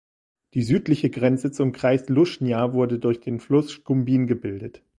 Die südliche Grenze zum Kreis Lushnja wurde durch den Fluss Shkumbin gebildet.